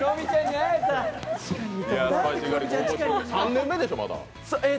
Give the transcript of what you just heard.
３年目でしょ、まだ？